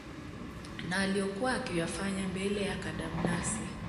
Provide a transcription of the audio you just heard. na aliyokuwa akiyafanya bele ya kadamnasi